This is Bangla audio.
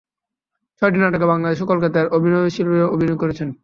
ছয়টি নাটকে বাংলাদেশ ও কলকাতার অভিনয়শিল্পীরা অভিনয় করছেন।